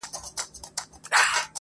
قاسم یار چي په خندا خېژمه دار ته -